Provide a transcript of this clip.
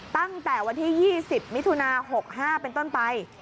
ตั้งแต่วันที่๒๐มิถุนา๖๕เป็นต้นไป